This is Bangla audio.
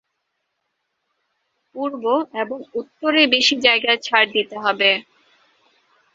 পূর্ব এবং উত্তরে বেশি জায়গা ছাড় দিতে হবে।